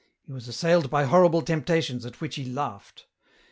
He was assailed by horrible temptations at which he laughed.